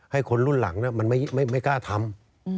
คนรุ่นหลังมันไม่กล้าทำ